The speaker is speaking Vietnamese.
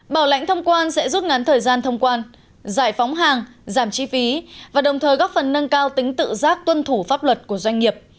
bảo lãnh thông quan sẽ rút ngắn thời gian thông quan giải phóng hàng giảm chi phí và đồng thời góp phần nâng cao tính tự giác tuân thủ pháp luật của doanh nghiệp